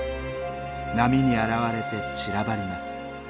波に洗われて散らばります。